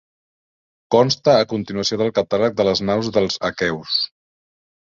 Consta a continuació del catàleg de les naus dels aqueus.